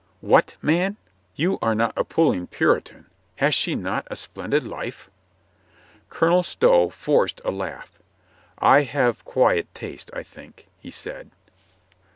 "What, man ! You are not a puling Puritan ! Hath she not a splendid life?" Colonel Stow forced a laugh. "I have quiet tastes, I think," he said.